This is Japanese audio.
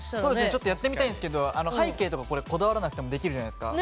ちょっとやってみたいんすけど背景とかこだわらなくてもできるじゃないですか。